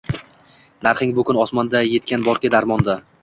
Narxing bu kun osmonda, yetgan borki darmonda